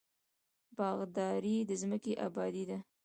باغداري د ځمکې ابادي ده.